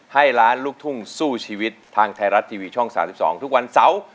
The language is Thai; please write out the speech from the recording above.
ให้ล้านลูกทุ่งสู้ชีวิตทางไทยรัฐทีวีช่อง๓๒ทุกวันเสาร์